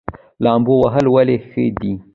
لامبو وهل ولې ښه دي؟